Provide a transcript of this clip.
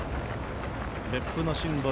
別府のシンボル